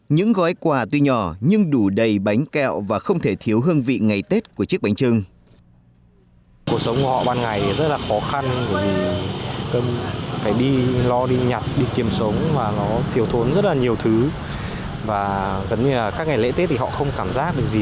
những gói quà tuy nhỏ nhưng đủ đầy bánh kẹo và không thể thiếu hương vị ngày tết của chiếc bánh trưng